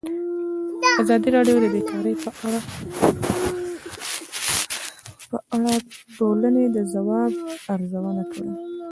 ازادي راډیو د بیکاري په اړه د ټولنې د ځواب ارزونه کړې.